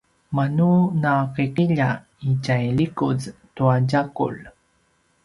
manu nakiqilja i tjai likuz tua tjagulj